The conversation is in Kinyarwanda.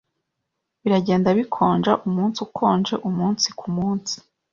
Biragenda bikonja umunsi ukonje umunsi kumunsi.